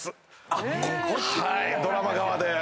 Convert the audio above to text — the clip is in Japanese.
ドラマ側で。